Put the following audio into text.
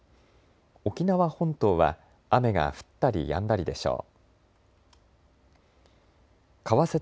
沖縄本島は雨が降ったりやんだりでしょう。